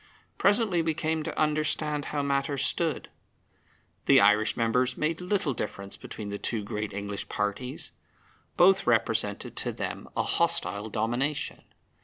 Presently we came to understand how matters stood. The Irish members made little difference between the two great English parties. Both represented to them a hostile domination.